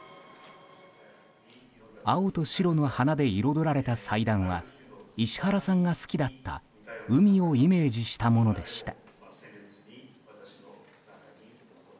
青と白の花で彩られた祭壇は石原さんが好きだった海をイメージしたものでした。